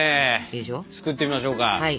作ってみましょうか。